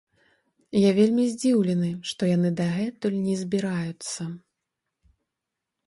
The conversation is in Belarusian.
Я вельмі здзіўлены, што яны дагэтуль не збіраюцца.